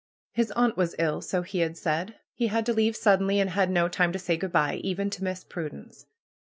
His aunt was ill, so he had said. He had to leave suddenly, and had no time to say good by, even to Miss Prudence.